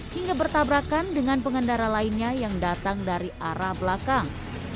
hingga bertabrakan dengan pengendara lainnya yang datang dari arah belakang